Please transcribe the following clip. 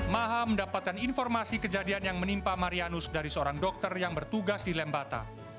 maha mendapatkan informasi kejadian yang menimpa marianus dari seorang dokter yang bertugas di lembata